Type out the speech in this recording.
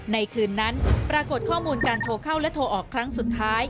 คืนนั้นปรากฏข้อมูลการโทรเข้าและโทรออกครั้งสุดท้าย